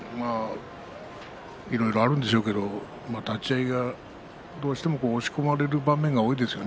いろいろあるんでしょうけども立ち合いではどうしても押し込まれる場面が多いですよね。